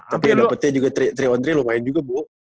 tapi dapetnya juga tiga on tiga lumayan juga bu